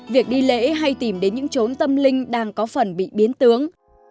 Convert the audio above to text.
việc đi lễ hay tìm đến những trốn tâm linh đang có phần bị biến tướng